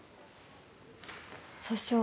訴訟